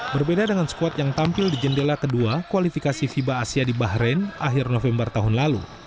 berbeda dengan squad yang tampil di jendela kedua kualifikasi fiba asia di bahrain akhir november tahun lalu